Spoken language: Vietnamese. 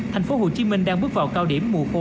tp hcm đang bước vào cao điểm mùa khô